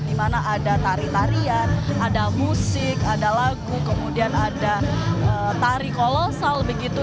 di mana ada tari tarian ada musik ada lagu kemudian ada tari kolosal begitu